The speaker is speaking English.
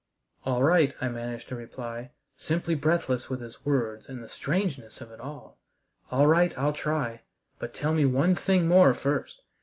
"All right," I managed to reply, simply breathless with his words and the strangeness of it all; "all right, I'll try, but tell me one thing more first.